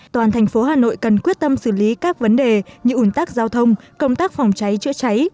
toàn thành phố hà nội cần quyết tâm xử lý các vấn đề như ủn tắc giao thông công tác phòng cháy chữa cháy